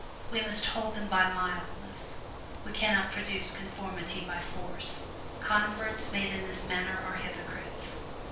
We must hold them by mildness. We can not produce conformity by force. Converts made in this manner are hypocrites.